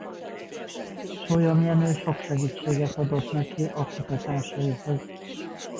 Sólyom Jenő sok segítséget adott neki a kutatásaihoz.